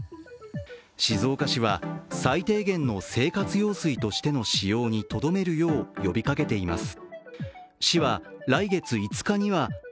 静岡市は最低限の生活用水としての使用にとどめるよう呼びかけています。